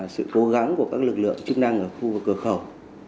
sự cố gắng của các lực lượng chức năng ở khu vực cửa khẩu